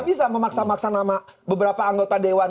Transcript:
tapi sama maksa maksa nama beberapa anggota dewan